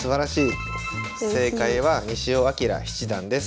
正解は西尾明七段です。